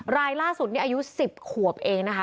รายล่าสุดนี้อายุ๑๐ขวบเองนะคะ